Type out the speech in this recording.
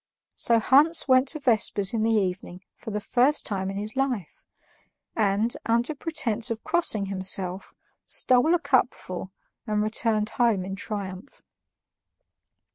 So Hans went to vespers in the evening for the first time in his life and, under pretense of crossing himself, stole a cupful and returned home in triumph.